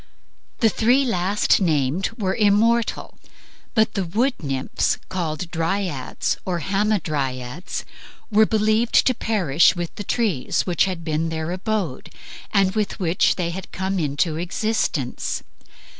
The three last named were immortal, but the wood nymphs, called Dryads or Hamadryads, were believed to perish with the trees which had been their abode and with which they had come into existence.